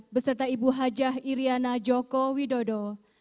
beserta ibu hajah iryana joko widodo